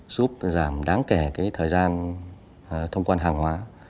giúp giảm đáng kể thời gian thông quan hàng hóa